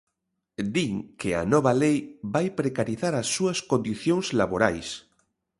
Din que a nova lei vai precarizar as súas condicións laborais.